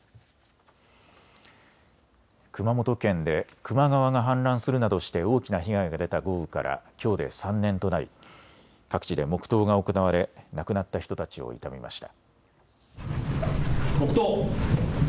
熊本県で球磨川が氾濫するなどして大きな被害が出た豪雨からきょうで３年となり各地で黙とうが行われ亡くなった人たちを悼みました。